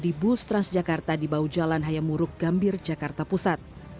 seorang pengemudi bus transjakarta di bawah jalan hayamuruk gambir jakarta pusat